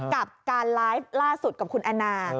กับการไลฟ์ล่าสุดกับคุณแอนนา